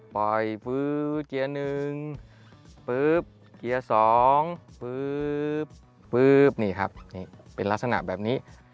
ปล่อยเกียร์หนึ่งเกียร์สองนี่ครับเป็นลักษณะแบบนี้